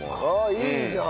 いいじゃん！